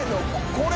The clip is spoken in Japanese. これ。